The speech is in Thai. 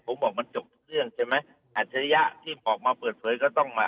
ผมบอกมันจบทุกเรื่องใช่ไหมอัจฉริยะที่ออกมาเปิดเผยก็ต้องมา